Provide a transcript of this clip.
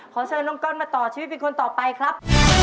ขอเชิญน้องก้อนมาต่อชีวิตเป็นคนต่อไปครับ